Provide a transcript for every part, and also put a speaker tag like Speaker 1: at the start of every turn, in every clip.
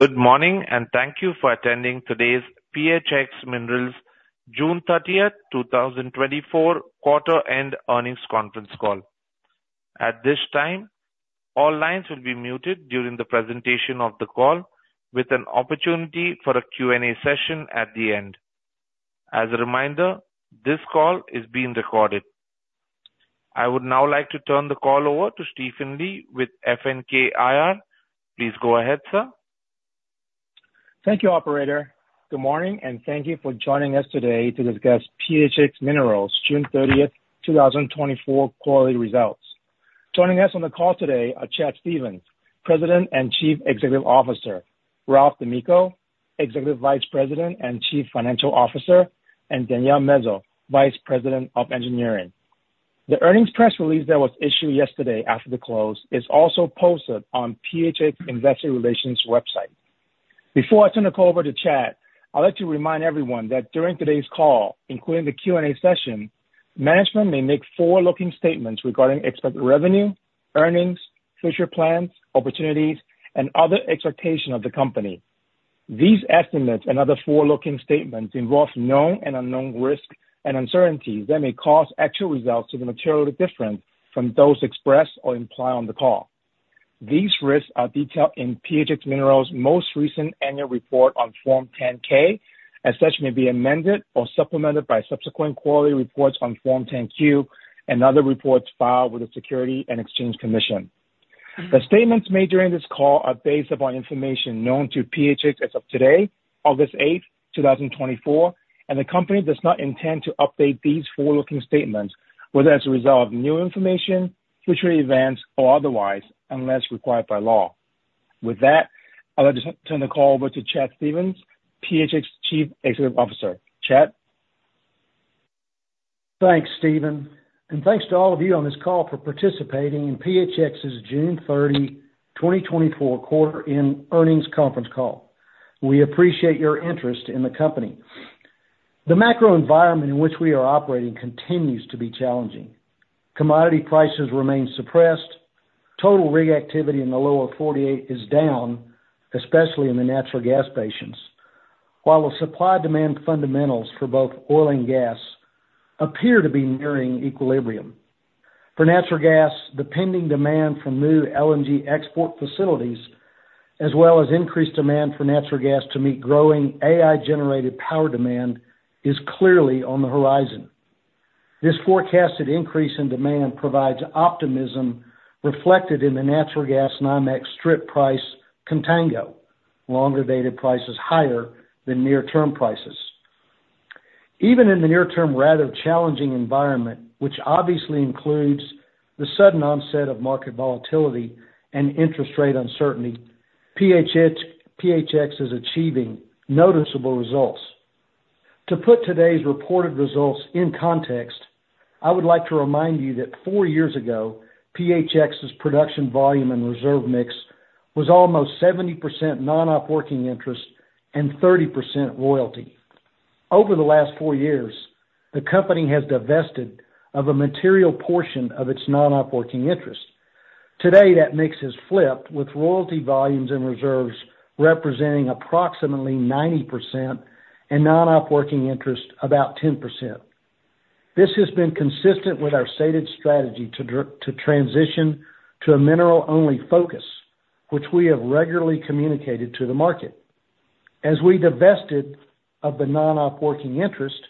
Speaker 1: Good morning, and thank you for attending today's PHX Minerals June 30, 2024 quarter end earnings conference call. At this time, all lines will be muted during the presentation of the call, with an opportunity for a Q&A session at the end. As a reminder, this call is being recorded. I would now like to turn the call over to Stephen Lee with FNK IR. Please go ahead, sir.
Speaker 2: Thank you, operator. Good morning, and thank you for joining us today to discuss PHX Minerals' June 30, 2024 quarterly results. Joining us on the call today are Chad Stevens, President and Chief Executive Officer; Ralph D'Amico, Executive Vice President and Chief Financial Officer; and Danielle Mezo, Vice President of Engineering. The earnings press release that was issued yesterday after the close is also posted on PHX Investor Relations website. Before I turn the call over to Chad, I'd like to remind everyone that during today's call, including the Q&A session, management may make forward-looking statements regarding expected revenue, earnings, future plans, opportunities, and other expectations of the company. These estimates and other forward-looking statements involve known and unknown risks and uncertainties that may cause actual results to be materially different from those expressed or implied on the call. These risks are detailed in PHX Minerals' most recent annual report on Form 10-K, as such may be amended or supplemented by subsequent quarterly reports on Form 10-Q and other reports filed with the Securities and Exchange Commission. The statements made during this call are based upon information known to PHX as of today, August 8th, 2024, and the company does not intend to update these forward-looking statements, whether as a result of new information, future events, or otherwise, unless required by law. With that, I'd like to turn the call over to Chad Stephens, PHX's Chief Executive Officer. Chad?
Speaker 3: Thanks, Stephen, and thanks to all of you on this call for participating in PHX's June 30, 2024 quarter-end earnings conference call. We appreciate your interest in the company. The macro environment in which we are operating continues to be challenging. Commodity prices remain suppressed. Total rig activity in the lower 48 is down, especially in the natural gas basins, while the supply-demand fundamentals for both oil and gas appear to be nearing equilibrium. For natural gas, the pending demand for new LNG export facilities, as well as increased demand for natural gas to meet growing AI-generated power demand, is clearly on the horizon. This forecasted increase in demand provides optimism reflected in the natural gas NYMEX strip price contango, longer dated prices higher than near-term prices. Even in the near term, rather challenging environment, which obviously includes the sudden onset of market volatility and interest rate uncertainty, PHX is achieving noticeable results. To put today's reported results in context, I would like to remind you that four years ago, PHX's production volume and reserve mix was almost 70% non-operating interest and 30% royalty. Over the last four years, the company has divested of a material portion of its non-operating interest. Today, that mix has flipped, with royalty volumes and reserves representing approximately 90% and non-operating interest about 10%. This has been consistent with our stated strategy to transition to a mineral-only focus, which we have regularly communicated to the market. As we divested of the non-op working interest,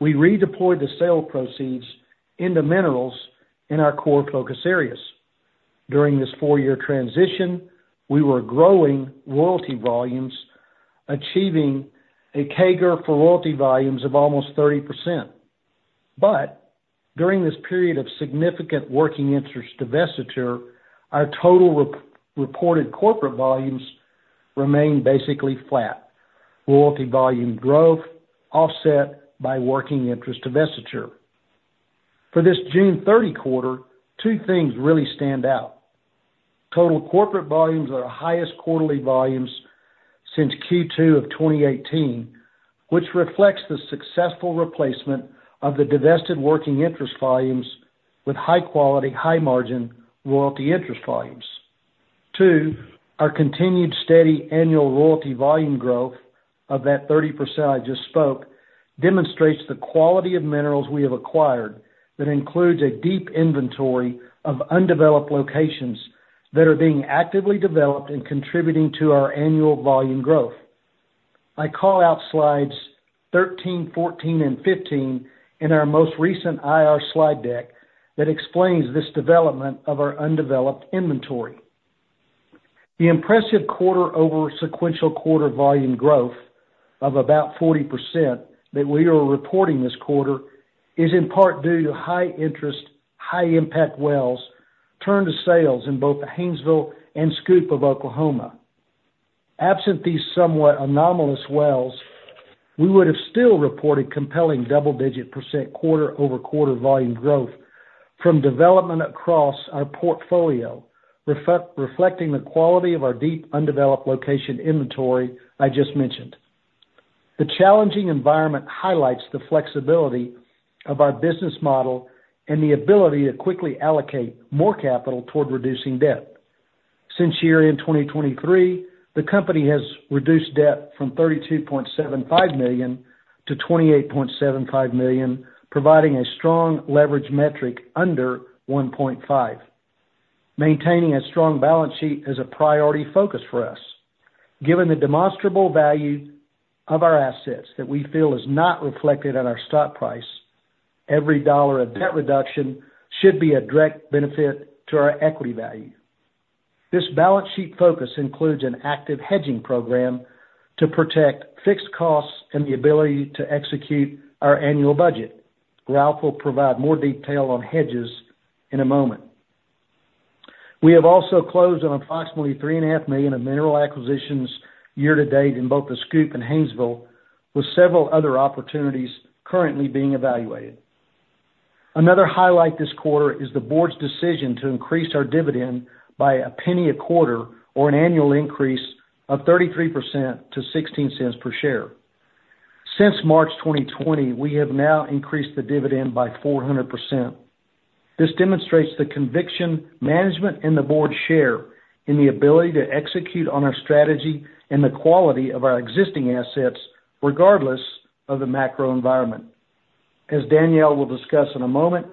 Speaker 3: we redeployed the sale proceeds into minerals in our core focus areas. During this 4-year transition, we were growing royalty volumes, achieving a CAGR for royalty volumes of almost 30%. But during this period of significant working interest divestiture, our total reported corporate volumes remained basically flat. Royalty volume growth offset by working interest divestiture. For this June 30 quarter, two things really stand out. Total corporate volumes are the highest quarterly volumes since Q2 of 2018, which reflects the successful replacement of the divested working interest volumes with high quality, high margin royalty interest volumes. Two, our continued steady annual royalty volume growth of that 30% I just spoke, demonstrates the quality of minerals we have acquired. That includes a deep inventory of undeveloped locations that are being actively developed and contributing to our annual volume growth. I call out slides 13, 14, and 15 in our most recent IR slide deck that explains this development of our undeveloped inventory. The impressive quarter-over-quarter volume growth of about 40% that we are reporting this quarter is in part due to high interest, high impact wells turned to sales in both the Haynesville and SCOOP of Oklahoma. Absent these somewhat anomalous wells, we would have still reported compelling double-digit % quarter-over-quarter volume growth from development across our portfolio, reflecting the quality of our deep, undeveloped location inventory I just mentioned. The challenging environment highlights the flexibility of our business model and the ability to quickly allocate more capital toward reducing debt. Since year-end 2023, the company has reduced debt from $32.75 million to $28.75 million, providing a strong leverage metric under 1.5. Maintaining a strong balance sheet is a priority focus for us. Given the demonstrable value of our assets that we feel is not reflected in our stock price, every dollar of debt reduction should be a direct benefit to our equity value. This balance sheet focus includes an active hedging program to protect fixed costs and the ability to execute our annual budget. Ralph will provide more detail on hedges in a moment. We have also closed on approximately $3.5 million of mineral acquisitions year to date in both the SCOOP and Haynesville, with several other opportunities currently being evaluated. Another highlight this quarter is the board's decision to increase our dividend by $0.01 a quarter, or an annual increase of 33% to $0.16 per share. Since March 2020, we have now increased the dividend by 400%. This demonstrates the conviction management and the board share in the ability to execute on our strategy and the quality of our existing assets, regardless of the macro environment. As Danielle will discuss in a moment,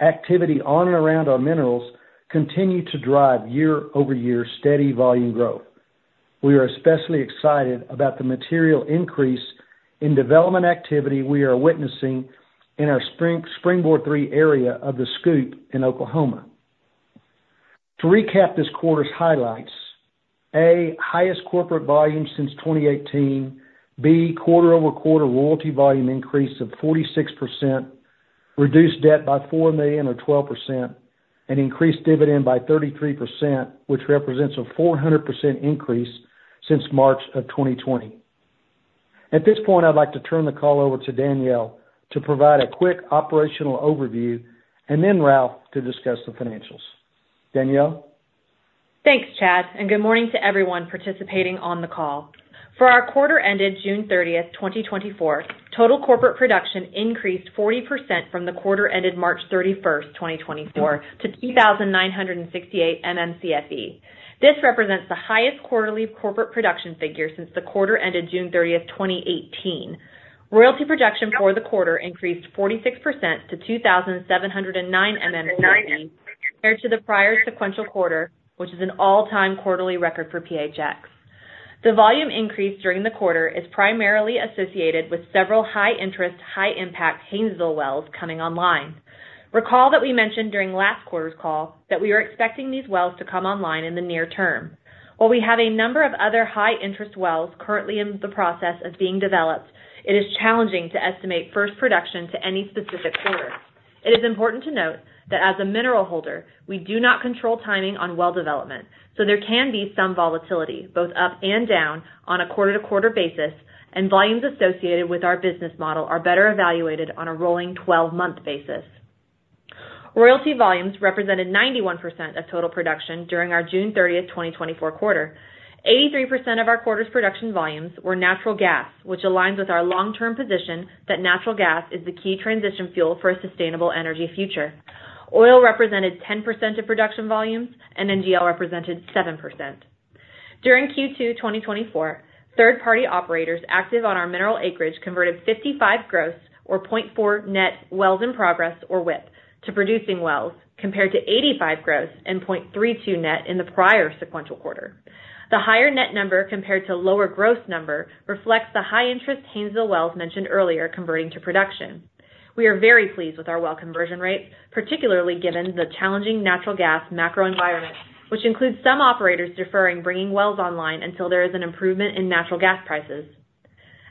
Speaker 3: activity on and around our minerals continue to drive year-over-year steady volume growth. We are especially excited about the material increase in development activity we are witnessing in our SpringBoard III area of the SCOOP in Oklahoma. To recap this quarter's highlights: A, highest corporate volume since 2018; B, quarter-over-quarter royalty volume increase of 46%; reduced debt by $4 million, or 12%; and increased dividend by 33%, which represents a 400% increase since March of 2020. At this point, I'd like to turn the call over to Danielle to provide a quick operational overview, and then Ralph to discuss the financials. Danielle?
Speaker 4: Thanks, Chad, and good morning to everyone participating on the call. For our quarter ended June 30, 2024, total corporate production increased 40% from the quarter ended March 31, 2024, to 2,968 MMcfe. This represents the highest quarterly corporate production figure since the quarter ended June 30th, 2018. Royalty production for the quarter increased 46% to 2,709 MMcfe, compared to the prior sequential quarter, which is an all-time quarterly record for PHX. The volume increase during the quarter is primarily associated with several high-interest, high-impact Haynesville wells coming online. Recall that we mentioned during last quarter's call that we were expecting these wells to come online in the near term. While we have a number of other high-interest wells currently in the process of being developed, it is challenging to estimate first production to any specific quarter. It is important to note that as a mineral holder, we do not control timing on well development, so there can be some volatility, both up and down, on a quarter-to-quarter basis, and volumes associated with our business model are better evaluated on a rolling twelve-month basis. Royalty volumes represented 91% of total production during our June 30th, 2024 quarter. 83% of our quarter's production volumes were natural gas, which aligns with our long-term position that natural gas is the key transition fuel for a sustainable energy future. Oil represented 10% of production volumes, and NGL represented 7%. During Q2 2024, third-party operators active on our mineral acreage converted 55 gross, or 0.4 net wells in progress, or WIP, to producing wells, compared to 85 gross and 0.32 net in the prior sequential quarter. The higher net number compared to lower gross number reflects the high interest Haynesville wells mentioned earlier, converting to production. We are very pleased with our well conversion rate, particularly given the challenging natural gas macro environment, which includes some operators deferring bringing wells online until there is an improvement in natural gas prices.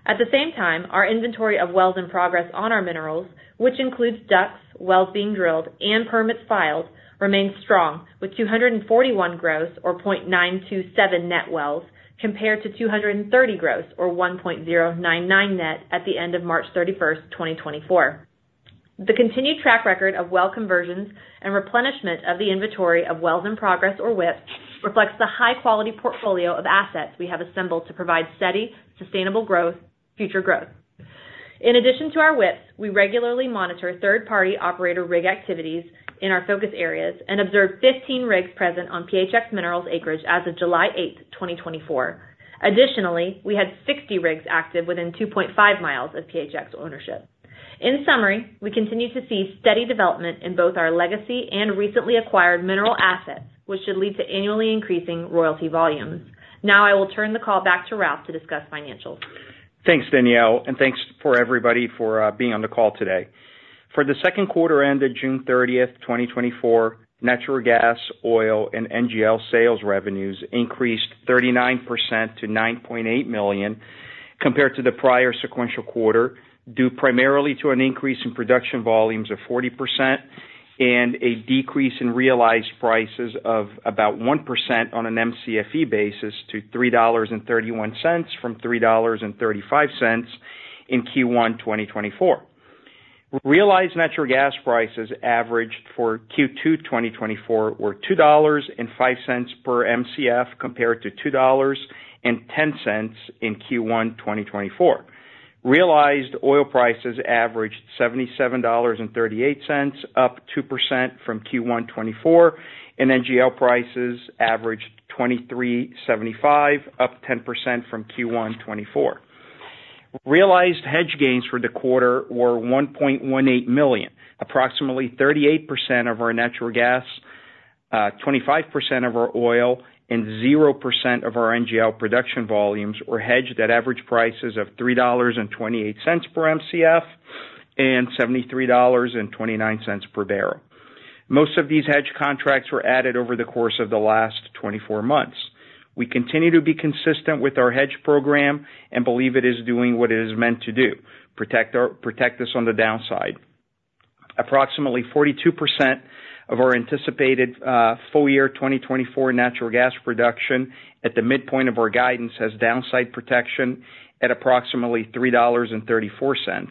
Speaker 4: At the same time, our inventory of wells in progress on our minerals, which includes DUCs, wells being drilled, and permits filed, remains strong, with 241 gross, or 0.927 net wells, compared to 230 gross, or 1.099 net at the end of March 31st, 2024. The continued track record of well conversions and replenishment of the inventory of wells in progress, or WIP, reflects the high-quality portfolio of assets we have assembled to provide steady, sustainable growth, future growth. In addition to our WIP, we regularly monitor third-party operator rig activities in our focus areas and observed 15 rigs present on PHX Minerals acreage as of July 8th, 2024. Additionally, we had 60 rigs active within 2.5 miles of PHX ownership. In summary, we continue to see steady development in both our legacy and recently acquired mineral assets, which should lead to annually increasing royalty volumes. Now, I will turn the call back to Ralph to discuss financials.
Speaker 5: Thanks, Danielle, and thanks for everybody for being on the call today. For the second quarter ended June 30th, 2024, natural gas, oil, and NGL sales revenues increased 39% to $9.8 million, compared to the prior sequential quarter, due primarily to an increase in production volumes of 40% and a decrease in realized prices of about 1% on an MCFE basis to $3.31 from $3.35 in Q1 2024. ... Realized natural gas prices averaged for Q2 2024 were $2.05 per Mcf, compared to $2.10 in Q1 2024. Realized oil prices averaged $77.38, up 2% from Q1 2024, and NGL prices averaged $23.75, up 10% from Q1 2024. Realized hedge gains for the quarter were $1.18 million. Approximately 38% of our natural gas, 25% of our oil, and 0% of our NGL production volumes were hedged at average prices of $3.28 per Mcf and $73.29 per barrel. Most of these hedge contracts were added over the course of the last 24 months. We continue to be consistent with our hedge program and believe it is doing what it is meant to do, protect us on the downside. Approximately 42% of our anticipated full year 2024 natural gas production at the midpoint of our guidance has downside protection at approximately $3.34.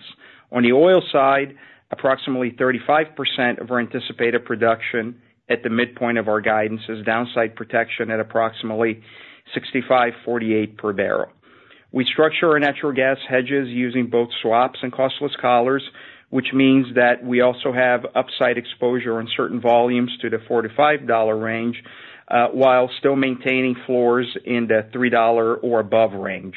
Speaker 5: On the oil side, approximately 35% of our anticipated production at the midpoint of our guidance is downside protection at approximately $65.48 per barrel. We structure our natural gas hedMARKETINGges using both swaps and costless collars, which means that we also have upside exposure on certain volumes to the $45 range while still maintaining floors in the $3 or above range.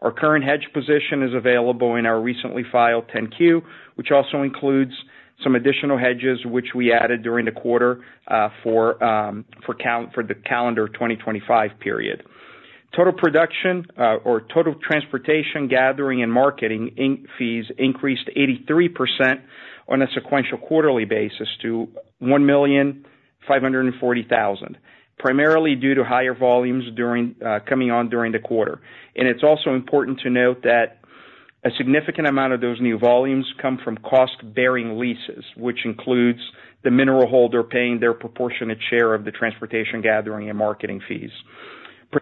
Speaker 5: Our current hedge position is available in our recently filed 10-Q, which also includes some additional hedges, which we added during the quarter for the calendar 2025 period. Total production or total transportation, gathering, and marketing inc. Fees increased 83% on a sequential quarterly basis to $1.54 million, primarily due to higher volumes during coming on during the quarter. It's also important to note that a significant amount of those new volumes come from cost-bearing leases, which includes the mineral holder paying their proportionate share of the transportation, gathering, and marketing fees.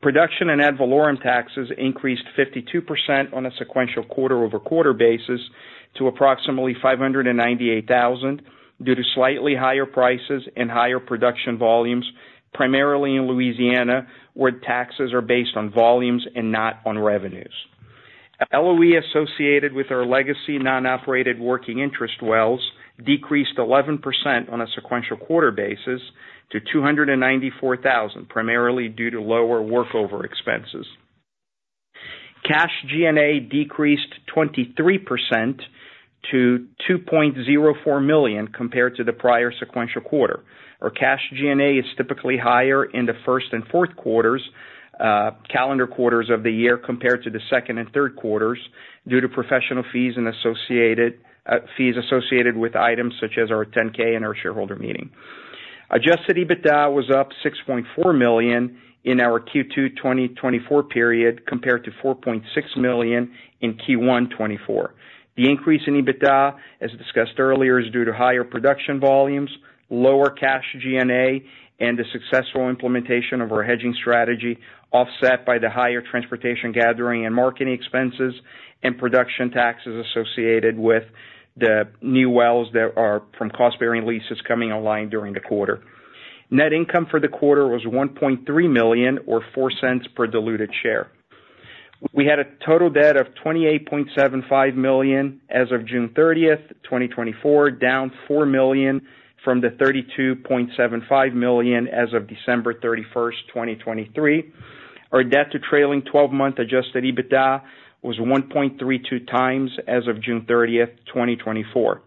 Speaker 5: Production and ad valorem taxes increased 52% on a sequential quarter-over-quarter basis to approximately $598,000, due to slightly higher prices and higher production volumes, primarily in Louisiana, where taxes are based on volumes and not on revenues. LOE associated with our legacy non-operated working interest wells decreased 11% on a sequential quarter basis to $294,000, primarily due to lower workover expenses. Cash G&A decreased 23% to $2.04 million compared to the prior sequential quarter. Our cash G&A is typically higher in the first and fourth quarters, calendar quarters of the year compared to the second and third quarters, due to professional fees and associated fees associated with items such as our 10-K and our shareholder meeting. Adjusted EBITDA was up $6.4 million in our Q2 2024 period, compared to $4.6 million in Q1 2024. The increase in EBITDA, as discussed earlier, is due to higher production volumes, lower cash G&A, and the successful implementation of our hedging strategy, offset by the higher transportation, gathering, and marketing expenses and production taxes associated with the new wells that are from cost-bearing leases coming online during the quarter. Net income for the quarter was $1.3 million, or $0.04 per diluted share. We had a total debt of $28.75 million as of June 30th, 2024, down $4 million from the $32.75 million as of December 31, 2023. Our debt to trailing twelve-month Adjusted EBITDA was 1.32 times as of June 30th, 2024.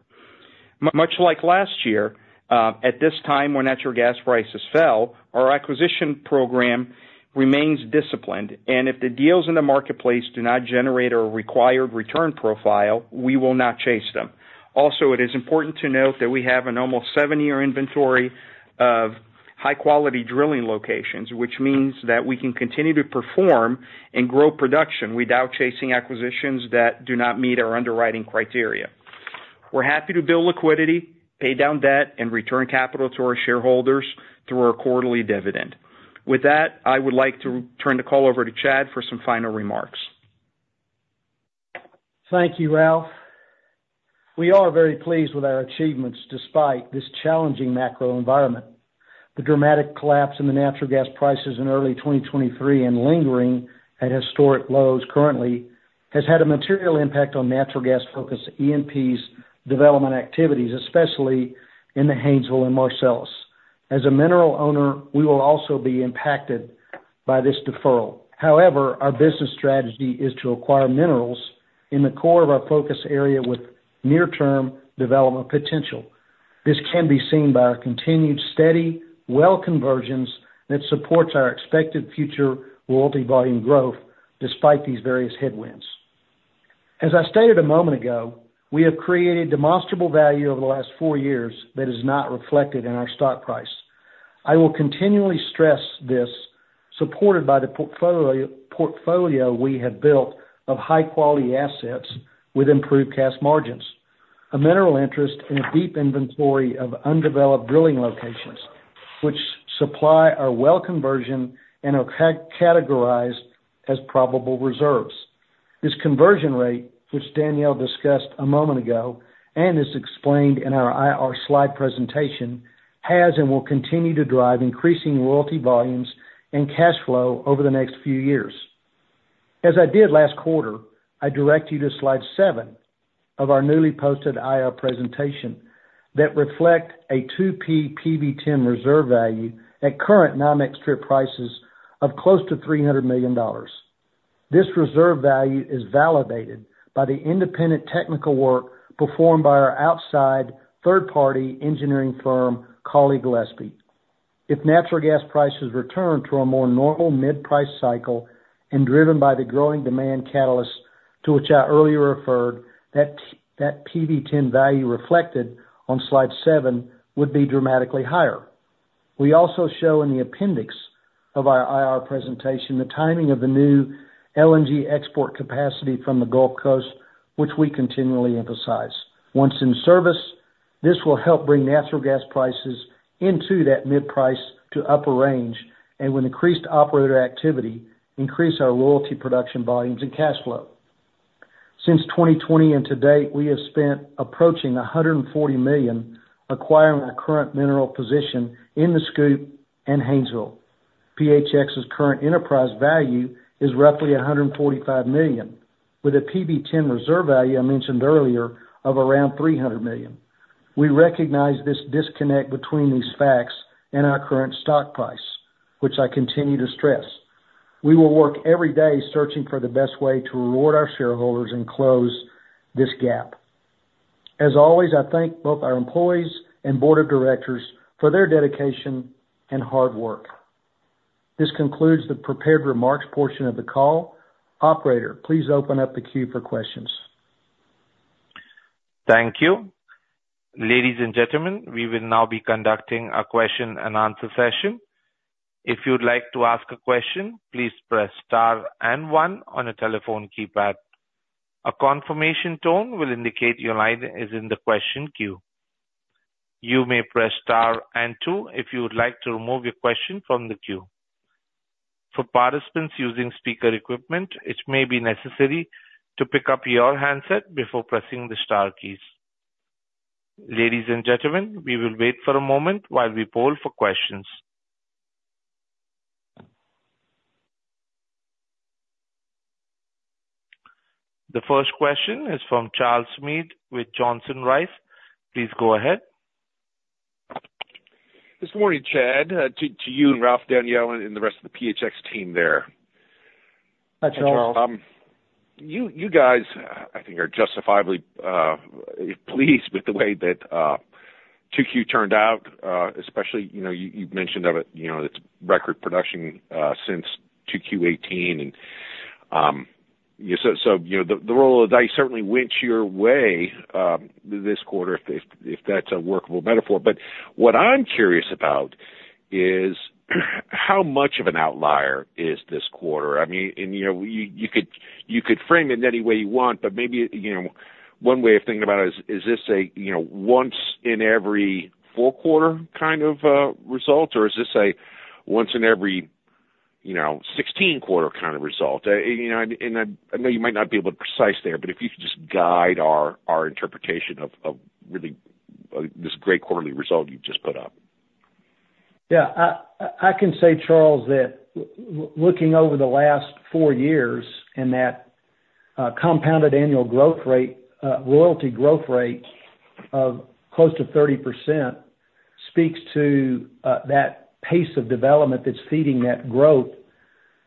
Speaker 5: Much like last year, at this time, when natural gas prices fell, our acquisition program remains disciplined, and if the deals in the marketplace do not generate our required return profile, we will not chase them. Also, it is important to note that we have an almost 7-year inventory of high-quality drilling locations, which means that we can continue to perform and grow production without chasing acquisitions that do not meet our underwriting criteria. We're happy to build liquidity, pay down debt, and return capital to our shareholders through our quarterly dividend. With that, I would like to turn the call over to Chad for some final remarks.
Speaker 3: Thank you, Ralph. We are very pleased with our achievements despite this challenging macro environment. The dramatic collapse in the natural gas prices in early 2023, lingering at historic lows currently, has had a material impact on natural gas-focused ENPs development activities, especially in the Haynesville and Marcellus. As a mineral owner, we will also be impacted by this deferral. However, our business strategy is to acquire minerals in the core of our focus area with near-term development potential. This can be seen by our continued steady well conversions that supports our expected future royalty volume growth despite these various headwinds. As I stated a moment ago, we have created demonstrable value over the last four years that is not reflected in our stock price. I will continually stress this, supported by the portfolio we have built of high-quality assets with improved cash margins, a mineral interest in a deep inventory of undeveloped drilling locations, which supply our well conversion and are categorized as probable reserves. This conversion rate, which Danielle discussed a moment ago, and is explained in our IR slide presentation, has and will continue to drive increasing royalty volumes and cash flow over the next few years. As I did last quarter, I direct you to slide 7 of our newly posted IR presentation that reflect a 2P, PV-10 reserve value at current NYMEX strip prices of close to $300 million. This reserve value is validated by the independent technical work performed by our outside third party engineering firm, Cawley, Gillespie. If natural gas prices return to a more normal mid-price cycle and driven by the growing demand catalyst to which I earlier referred, that PV-10 value reflected on slide 7 would be dramatically higher. We also show in the appendix of our IR presentation, the timing of the new LNG export capacity from the Gulf Coast, which we continually emphasize. Once in service, this will help bring natural gas prices into that mid-price to upper range, and with increased operator activity, increase our royalty production volumes and cash flow. Since 2020 and to date, we have spent approaching $140 million acquiring our current mineral position in the SCOOP and Haynesville. PHX's current enterprise value is roughly $145 million, with a PV-10 reserve value I mentioned earlier of around $300 million. We recognize this disconnect between these facts and our current stock price, which I continue to stress. We will work every day searching for the best way to reward our shareholders and close this gap. As always, I thank both our employees and board of directors for their dedication and hard work. This concludes the prepared remarks portion of the call. Operator, please open up the queue for questions.
Speaker 1: Thank you. Ladies and gentlemen, we will now be conducting a question and answer session. If you'd like to ask a question, please press Star and One on your telephone keypad. A confirmation tone will indicate your line is in the question queue. You may press Star and Two if you would like to remove your question from the queue. For participants using speaker equipment, it may be necessary to pick up your handset before pressing the star keys. Ladies and gentlemen, we will wait for a moment while we poll for questions. The first question is from Charles Meade with Johnson Rice. Please go ahead.
Speaker 6: Good morning, Chad, to you and Ralph, Danielle, and the rest of the PHX team there.
Speaker 3: Hi, Charles.
Speaker 6: You guys, I think, are justifiably pleased with the way that 2Q turned out, especially, you know, you've mentioned it, you know, it's record production since 2Q 2018. So, you know, the roll of the dice certainly went your way, this quarter, if that's a workable metaphor. But what I'm curious about is how much of an outlier is this quarter? I mean, you know, you could frame it in any way you want, but maybe, you know, one way of thinking about it is: Is this a once in every four quarter kind of result? Or is this a once in every 16 quarter kind of result? You know, and I know you might not be able to be precise there, but if you could just guide our interpretation of really this great quarterly result you've just put up.
Speaker 3: Yeah. I can say, Charles, that looking over the last four years and that compounded annual growth rate royalty growth rate of close to 30% speaks to that pace of development that's feeding that growth.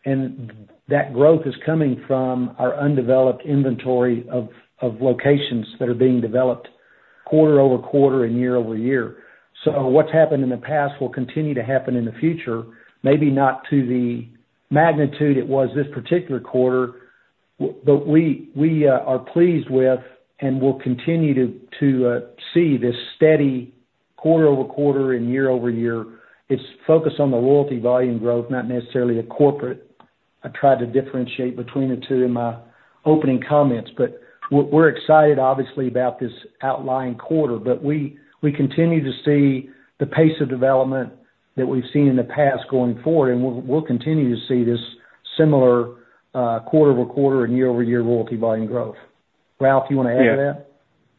Speaker 3: And that growth is coming from our undeveloped inventory of locations that are being developed quarter-over-quarter and year-over-year. So what's happened in the past will continue to happen in the future, maybe not to the magnitude it was this particular quarter, but we are pleased with and will continue to see this steady quarter-over-quarter and year-over-year. It's focused on the royalty volume growth, not necessarily the corporate. I tried to differentiate between the two in my opening comments, but we're excited, obviously, about this outlying quarter. But we continue to see the pace of development that we've seen in the past going forward, and we'll continue to see this similar quarter-over-quarter and year-over-year royalty volume growth. Ralph, you want to add to that?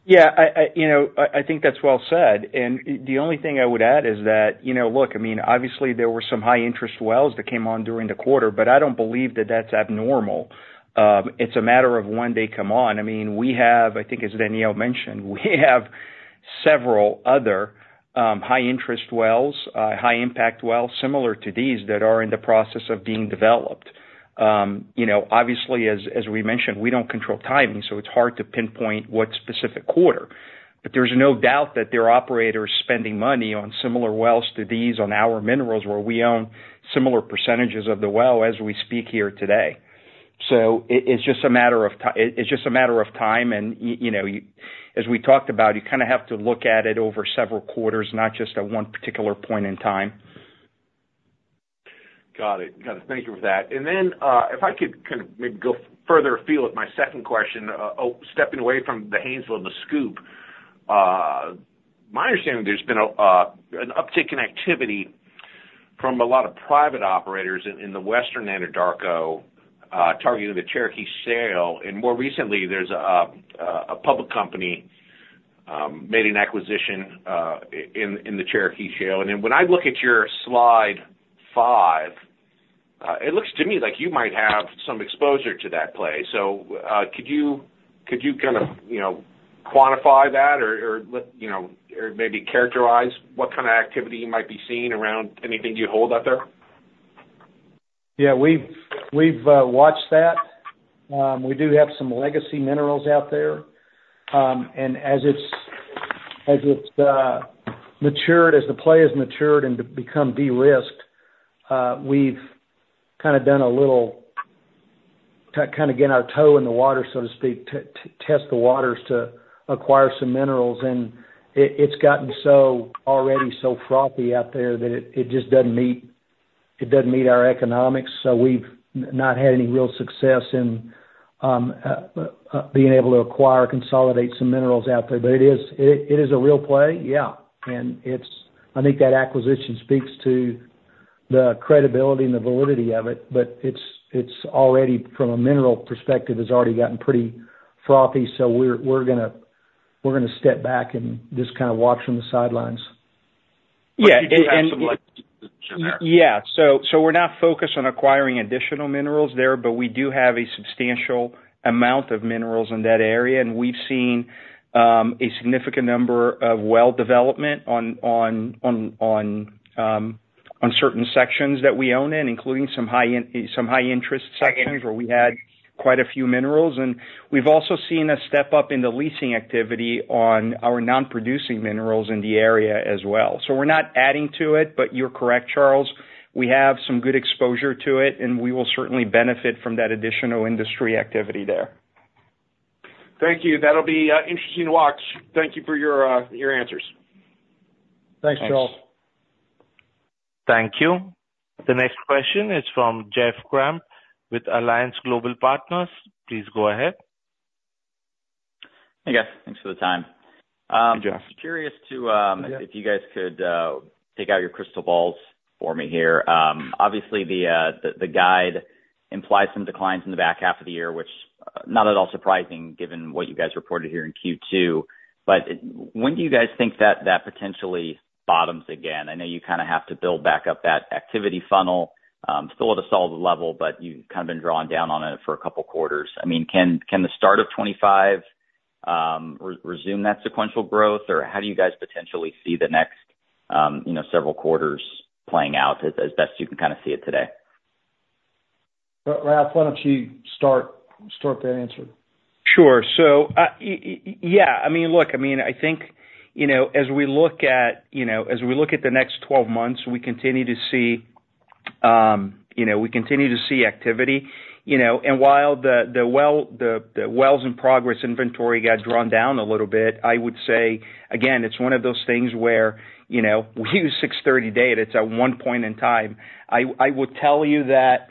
Speaker 5: Yeah. You know, I think that's well said, and the only thing I would add is that, you know, look, I mean, obviously, there were some high interest wells that came on during the quarter, but I don't believe that's abnormal. It's a matter of when they come on. I mean, we have. I think as Danielle mentioned, we have several other high interest wells, high impact wells, similar to these, that are in the process of being developed. You know, obviously, as we mentioned, we don't control timing, so it's hard to pinpoint what specific quarter. But there's no doubt that there are operators spending money on similar wells to these on our minerals, where we own similar percentages of the well as we speak here today. So it's just a matter of time, and you know, as we talked about, you kind of have to look at it over several quarters, not just at one particular point in time. ...
Speaker 6: Got it. Got it. Thank you for that. And then, if I could kind of maybe go further afield with my second question, stepping away from the Haynesville and the Scoop. My understanding, there's been an uptick in activity from a lot of private operators in the Western Anadarko, targeting the Cherokee Shale, and more recently, there's a a public company made an acquisition in the Cherokee Shale. And then when I look at your slide 5, it looks to me like you might have some exposure to that play. So, could you kind of, you know, quantify that or let, you know, or maybe characterize what kind of activity you might be seeing around anything you hold out there?
Speaker 3: Yeah, we've watched that. We do have some legacy minerals out there. And as it's matured, as the play has matured and become de-risked, we've kind of done a little, kind of get our toe in the water, so to speak, test the waters to acquire some minerals. And it's gotten so already so frothy out there that it just doesn't meet our economics, so we've not had any real success in being able to acquire, consolidate some minerals out there. But it is a real play, yeah, and it's... I think that acquisition speaks to the credibility and the validity of it, but it's already, from a mineral perspective, has already gotten pretty frothy, so we're gonna step back and just kind of watch from the sidelines.
Speaker 6: Yeah, and- But you do have some like
Speaker 3: Yeah. So we're not focused on acquiring additional minerals there, but we do have a substantial amount of minerals in that area, and we've seen a significant number of well development on certain sections that we own, including some high interest sections where we had quite a few minerals. And we've also seen a step up in the leasing activity on our non-producing minerals in the area as well. So we're not adding to it, but you're correct, Charles, we have some good exposure to it, and we will certainly benefit from that additional industry activity there.
Speaker 6: Thank you. That'll be interesting to watch. Thank you for your your answers.
Speaker 3: Thanks, Charles.
Speaker 5: Thanks.
Speaker 1: Thank you. The next question is from Jeff Grampp with Alliance Global Partners. Please go ahead.
Speaker 7: Hey, guys. Thanks for the time.
Speaker 3: Hey, Jeff.
Speaker 7: Curious to, if you guys could, take out your crystal balls for me here. Obviously, the guide implies some declines in the back half of the year, which, not at all surprising, given what you guys reported here in Q2. But it, when do you guys think that potentially bottoms again? I know you kind of have to build back up that activity funnel, still at a solid level, but you've kind of been drawn down on it for a couple quarters. I mean, can the start of 2025, resume that sequential growth, or how do you guys potentially see the next, you know, several quarters playing out as, as best you can kind of see it today?
Speaker 3: Well, Ralph, why don't you start that answer?
Speaker 5: Sure. So, yeah, I mean, look, I mean, I think, you know, as we look at, you know, as we look at the next 12 months, we continue to see, you know, we continue to see activity. You know, and while the wells in progress inventory got drawn down a little bit, I would say, again, it's one of those things where, you know, we use June 30 data, it's at one point in time. I would tell you that,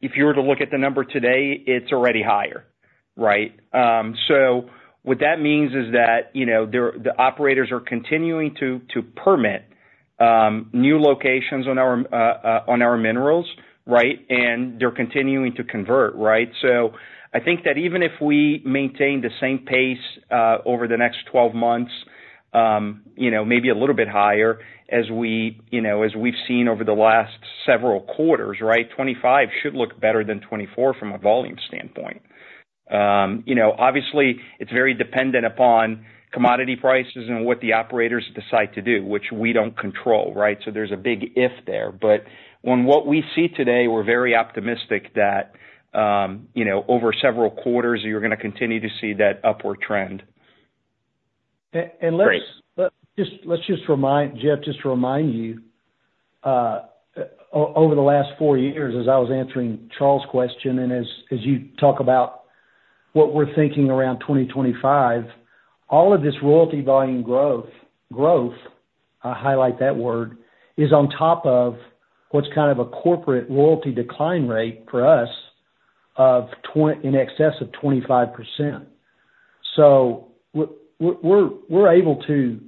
Speaker 5: if you were to look at the number today, it's already higher, right? So what that means is that, you know, the operators are continuing to permit new locations on our minerals, right? And they're continuing to convert, right? So I think that even if we maintain the same pace, over the next 12 months, you know, maybe a little bit higher, as we, you know, as we've seen over the last several quarters, right, 2025 should look better than 2024 from a volume standpoint. You know, obviously, it's very dependent upon commodity prices and what the operators decide to do, which we don't control, right? So there's a big if there. But on what we see today, we're very optimistic that, you know, over several quarters, you're gonna continue to see that upward trend.
Speaker 7: Great.
Speaker 3: Let's just remind you, Jeff, over the last four years, as I was answering Charles' question, and as you talk about what we're thinking around 2025, all of this royalty volume growth, I highlight that word, is on top of what's kind of a corporate royalty decline rate for us in excess of 25%. So we're able to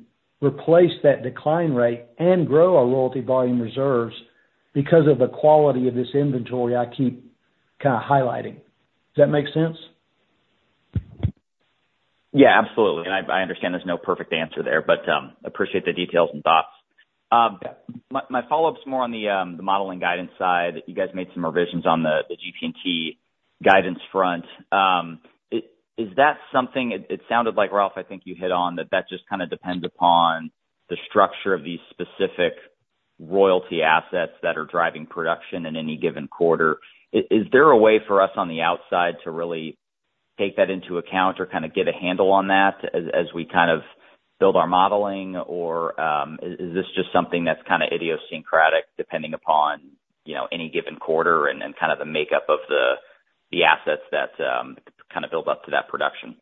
Speaker 3: replace that decline rate and grow our royalty volume reserves because of the quality of this inventory I keep kind of highlighting. Does that make sense?
Speaker 7: Yeah, absolutely. And I, I understand there's no perfect answer there, but, appreciate the details and thoughts. My, my follow-up is more on the, the modeling guidance side. You guys made some revisions on the, the GP&T guidance front. Is that something... It, it sounded like, Ralph, I think you hit on, that that just kind of depends upon the structure of these specific royalty assets that are driving production in any given quarter. Is there a way for us on the outside to really take that into account or kind of get a handle on that as, as we kind of build our modeling? Or, is this just something that's kind of idiosyncratic, depending upon, you know, any given quarter and, and kind of the makeup of the, the assets that, kind of build up to that production?...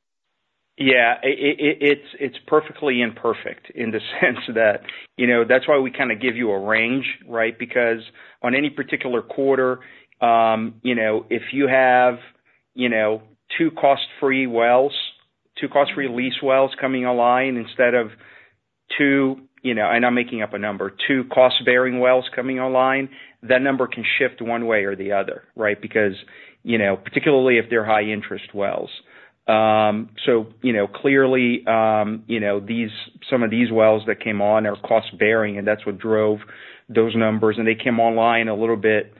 Speaker 5: Yeah, it's, it's perfectly imperfect in the sense that you know, that's why we kind of give you a range, right? Because on any particular quarter, you know, if you have, you know, two cost-free wells, two cost-free lease wells coming online instead of two, you know, and I'm making up a number, two cost-bearing wells coming online, that number can shift one way or the other, right? Because, you know, particularly if they're high interest wells. So, you know, clearly, you know, these, some of these wells that came on are cost bearing, and that's what drove those numbers, and they came online a little bit,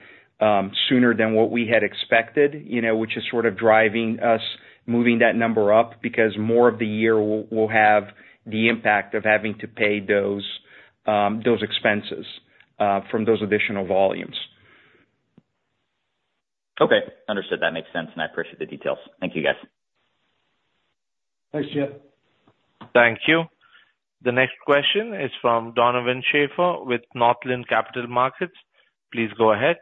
Speaker 5: sooner than what we had expected, you know, which is sort of driving us moving that number up. Because more of the year will have the impact of having to pay those, those expenses from those additional volumes.
Speaker 7: Okay, understood. That makes sense, and I appreciate the details. Thank you, guys.
Speaker 3: Thanks, Jeff.
Speaker 1: Thank you. The next question is from Donovan Schafer with Northland Capital Markets. Please go ahead.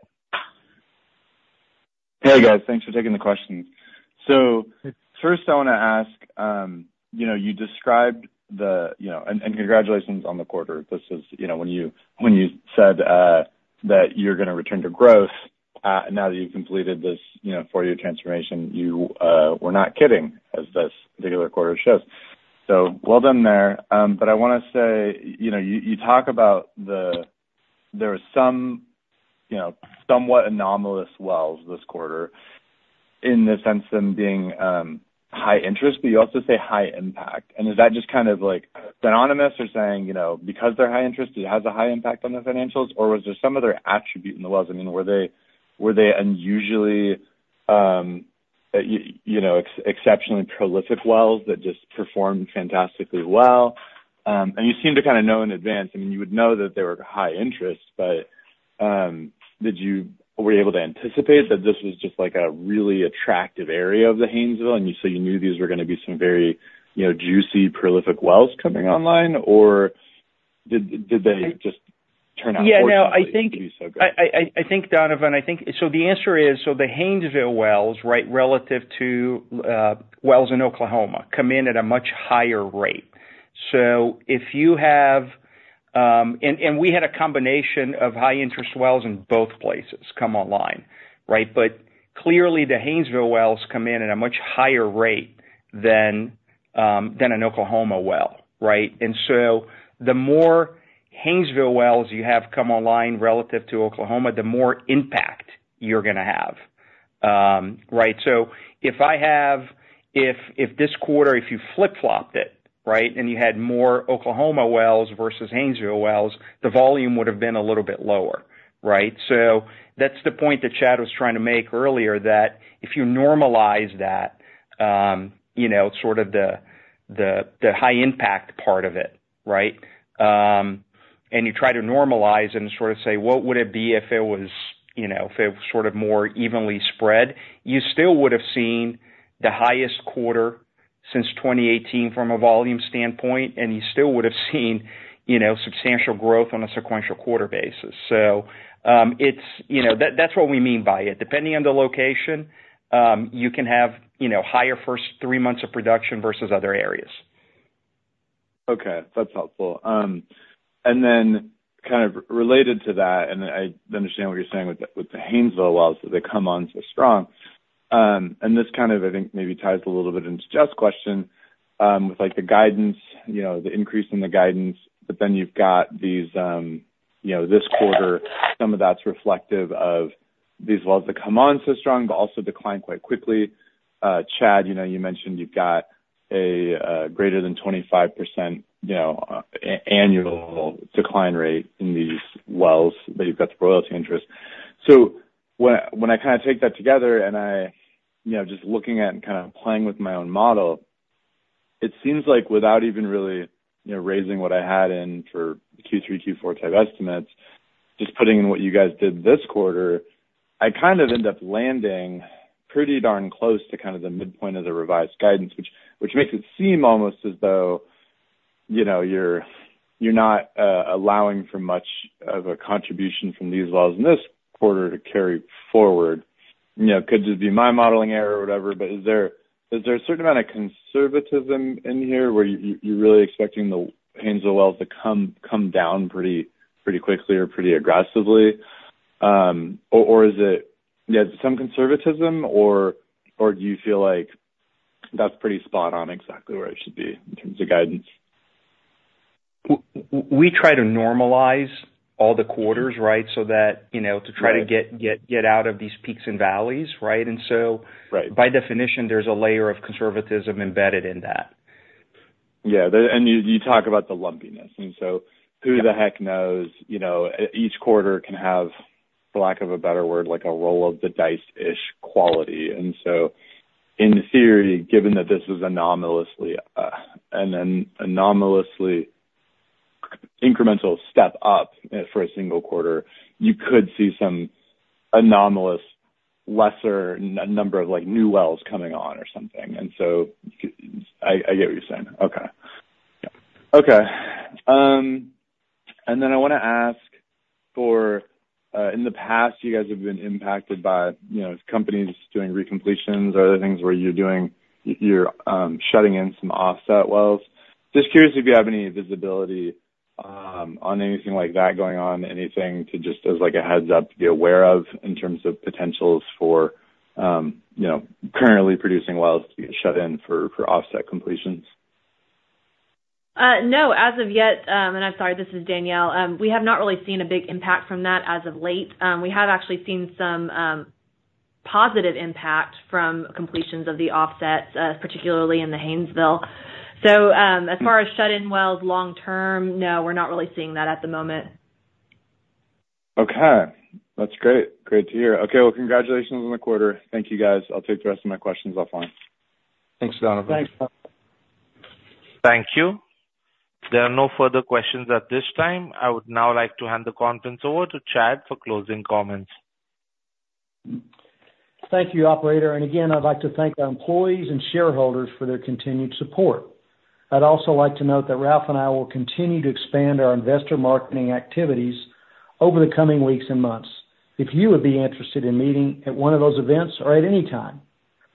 Speaker 8: Hey, guys. Thanks for taking the questions. So first I wanna ask, you know, you described the. You know, and congratulations on the quarter. This is, you know, when you, when you said that you're gonna return to growth, now that you've completed this, you know, four-year transformation, you were not kidding, as this particular quarter shows. So well done there. But I wanna say, you know, you talk about the-- there are some, you know, somewhat anomalous wells this quarter, in the sense of them being high interest, but you also say high impact. And is that just kind of, like, synonymous or saying, you know, because they're high interest, it has a high impact on the financials? Or was there some other attribute in the wells? I mean, were they unusually, you know, exceptionally prolific wells that just performed fantastically well? And you seem to kind of know in advance. I mean, you would know that they were high interest, but were you able to anticipate that this was just, like, a really attractive area of the Haynesville, and you, so you knew these were gonna be some very, you know, juicy, prolific wells coming online? Or did they just turn out-
Speaker 4: Yeah, no, I think-
Speaker 8: to be so good?
Speaker 5: I think, Donovan. I think... So the answer is, so the Haynesville wells, right, relative to wells in Oklahoma, come in at a much higher rate. So if you have... And we had a combination of high interest wells in both places come online, right? But clearly, the Haynesville wells come in at a much higher rate than than an Oklahoma well, right? And so the more Haynesville wells you have come online relative to Oklahoma, the more impact you're gonna have. Right, so if this quarter, if you flip-flopped it, right, and you had more Oklahoma wells versus Haynesville wells, the volume would've been a little bit lower, right? So that's the point that Chad was trying to make earlier, that if you normalize that, you know, sort of the high impact part of it, right? And you try to normalize and sort of say, "What would it be if it was, you know, if it were sort of more evenly spread?" You still would have seen the highest quarter since 2018 from a volume standpoint, and you still would have seen, you know, substantial growth on a sequential quarter basis. So, it's, you know, that's what we mean by it. Depending on the location, you can have, you know, higher first three months of production versus other areas.
Speaker 8: Okay, that's helpful. And then kind of related to that, and I understand what you're saying with the Haynesville wells, that they come on so strong. And this kind of, I think, maybe ties a little bit into Jeff's question, with like the guidance, you know, the increase in the guidance, but then you've got these, you know, this quarter, some of that's reflective of these wells that come on so strong but also decline quite quickly. Chad, you know, you mentioned you've got a greater than 25%, you know, annual decline rate in these wells, but you've got the royalty interest. So when I kind of take that together and I... You know, just looking at and kind of playing with my own model, it seems like without even really, you know, raising what I had in for Q3, Q4 type estimates, just putting in what you guys did this quarter, I kind of end up landing pretty darn close to kind of the midpoint of the revised guidance. Which makes it seem almost as though, you know, you're not allowing for much of a contribution from these wells in this quarter to carry forward. You know, could just be my modeling error or whatever, but is there a certain amount of conservatism in here, where you're really expecting the Haynesville wells to come down pretty quickly or pretty aggressively? Or is it, yeah, some conservatism, or do you feel like that's pretty spot on, exactly where it should be in terms of guidance?
Speaker 5: We try to normalize all the quarters, right? So that, you know- Right... to try to get out of these peaks and valleys, right? And so- Right... by definition, there's a layer of conservatism embedded in that.
Speaker 8: Yeah, and you talk about the lumpiness, and so-
Speaker 5: Yeah...
Speaker 8: who the heck knows? You know, each quarter can have, for lack of a better word, like, a roll of the dice-ish quality. And so in theory, given that this is anomalously, an anomalously incremental step up, for a single quarter, you could see some anomalous, lesser number of, like, new wells coming on or something, and so I, I get what you're saying. Okay. Yeah. Okay, and then I wanna ask for, in the past, you guys have been impacted by, you know, companies doing recompletions or other things where you're doing... you're, shutting in some offset wells. Just curious if you have any visibility on anything like that going on, anything to just as, like, a heads-up to be aware of in terms of potentials for, you know, currently producing wells to be shut in for offset completions?
Speaker 4: No, as of yet, and I'm sorry, this is Danielle. We have not really seen a big impact from that as of late. We have actually seen some positive impact from completions of the offsets, particularly in the Haynesville. So, as far as shut-in wells long term, no, we're not really seeing that at the moment.
Speaker 8: Okay. That's great. Great to hear. Okay, well, congratulations on the quarter. Thank you, guys. I'll take the rest of my questions offline.
Speaker 5: Thanks, Donovan.
Speaker 3: Thanks.
Speaker 1: Thank you. There are no further questions at this time. I would now like to hand the conference over to Chad for closing comments.
Speaker 3: Thank you, operator, and again, I'd like to thank our employees and shareholders for their continued support. I'd also like to note that Ralph and I will continue to expand our investor marketing activities over the coming weeks and months. If you would be interested in meeting at one of those events or at any time,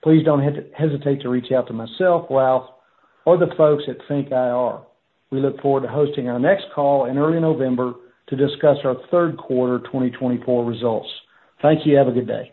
Speaker 3: please don't hesitate to reach out to myself, Ralph, or the folks at FNK IR. We look forward to hosting our next call in early November to discuss our third quarter 2024 results. Thank you. Have a good day.